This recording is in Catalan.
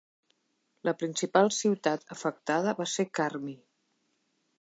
La principal ciutat afectada va ser Carmi.